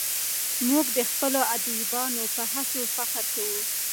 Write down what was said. موږ د خپلو ادیبانو په هڅو فخر کوو.